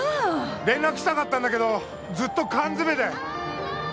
連絡したかったんだけどずっと缶詰めで。